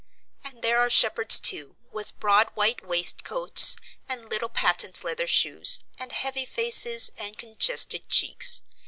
And there are shepherds, too, with broad white waistcoats and little patent leather shoes and heavy faces and congested cheeks.